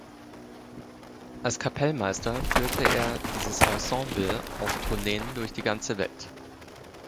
Als Kapellmeister führte er dieses Ensemble auf Tourneen durch die ganze Welt.